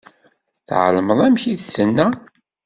Tεelmeḍ amek i d-tenna?